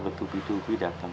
lu dubi dubi dateng